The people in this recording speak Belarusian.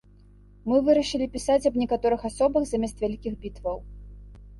Мы вырашылі пісаць аб некаторых асобах замест вялікіх бітваў.